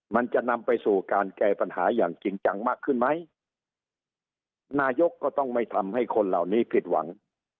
มันจะนำไปสู่การแก้ปัญหาอย่างจริงจังมากขึ้นไหมนายกก็ต้องไม่ทำให้คนเหล่านี้ผิดหวัง